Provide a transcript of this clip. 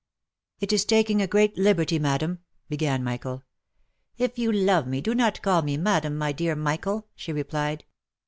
" It is taking a great liberty, madam," began Michael. "If you love me, do not call me madam, my dear Michael," she replied.